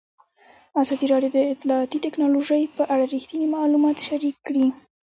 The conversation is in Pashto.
ازادي راډیو د اطلاعاتی تکنالوژي په اړه رښتیني معلومات شریک کړي.